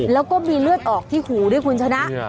แล้วก็มีเลือดออกที่หูด้วยคุณชนะ